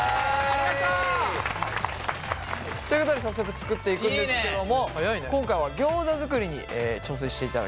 ありがとう！ということで早速作っていくんですけども今回はギョーザ作りに挑戦していただきます。